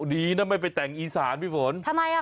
ดีนะไม่ไปแต่งอีสานผีฝน